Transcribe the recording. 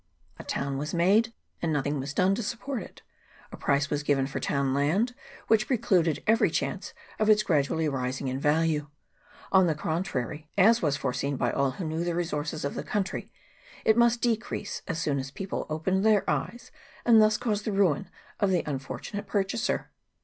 A town was made, and nothing was done to support it ; a price was given for town land which precluded every chance of its gradually rising in value ; on the con trary, as was foreseen by all who knew the resources of the country, it must decrease as soon as people opened their eyes, and thus cause the ruin of the unfortunate purchaser.